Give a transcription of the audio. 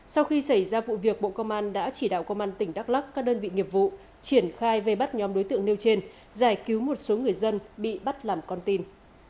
sau khi xảy ra vụ việc bộ công an đã chỉ đạo công an tỉnh đắk lắc các đơn vị nghiệp vụ triển khai vây bắt nhóm đối tượng nêu trên giải cứu một số người dân bị bắt làm con tin